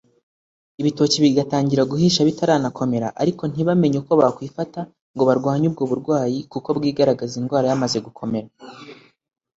ibitoki bigatangira guhisha bitarakomera ariko ntibamenye uko bakwifata ngo barwanye ubwo burwayi kuko bwigaragaza indwara yamaze gukomera